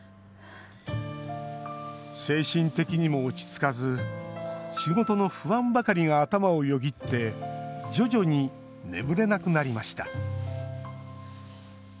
精神的にも落ち着かず仕事の不安ばかりが頭をよぎって徐々に眠れなくなりました。